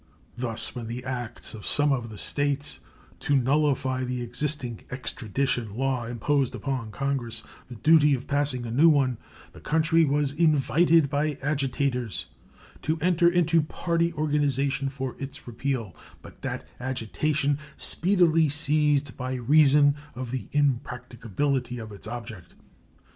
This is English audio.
Thus when the acts of some of the States to nullify the existing extradition law imposed upon Congress the duty of passing a new one, the country was invited by agitators to enter into party organization for its repeal; but that agitation speedily ceased by reason of the impracticability of its object.